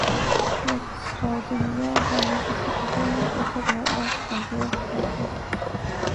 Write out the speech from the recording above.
ნალექის რაოდენობა და მიწის ნაყოფიერება მკვეთრად მერყეობს კუნძულების სხვადასხვა ნაწილში.